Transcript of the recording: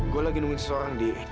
gue lagi nemuin seseorang di